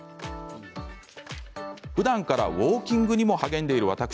ふだんからウォーキングにも励んでいる私。